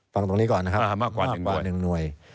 ฟังตรงนี้ก่อนนะครับมากกว่า๑หน่วย๑หน่วย